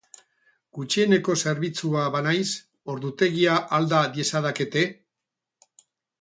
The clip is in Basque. Gutxieneko zerbitzua banaiz, ordutegia alda diezadakete?